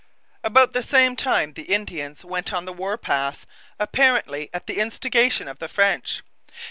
About the same time the Indians went on the war path, apparently at the instigation of the French.